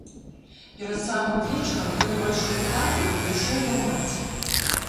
Перад самым вечарам ён увайшоў у хату і падышоў да маці.